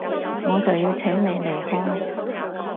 我就要請你離開